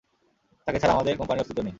তাকে ছাড়া আমাদের কোম্পানির অস্তিত্ব নেই।